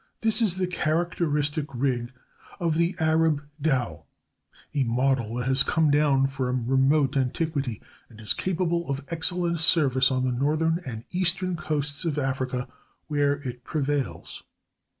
This is the characteristic rig of the Arab dhow—a model that has come down from remote antiquity and is capable of excellent service on the northern and eastern coasts of Africa, where it prevails.